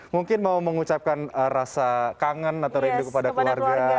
mungkin mau mengucapkan rasa kangen atau rindu kepada keluarga